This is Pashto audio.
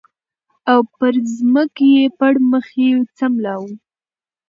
او پر ځمکه یې پړ مخې سملاوه